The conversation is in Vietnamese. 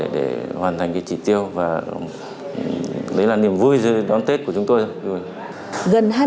để hoàn thành cái trị tiêu và đấy là niềm vui đón tết của chúng tôi